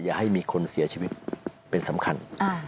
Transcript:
อย่าให้มีคนเสียชีวิตเป็นสำคัญ